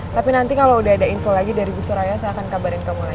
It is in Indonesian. tapi nanti kalau udah ada info lagi dari gus soraya saya akan kabarin kamu lagi